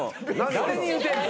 誰に言うてんの？